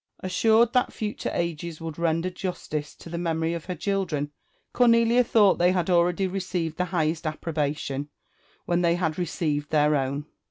Assured that future ages would render justice to the memory of her children, Cornelia thought they had already received the highest approbation, when they had received their own.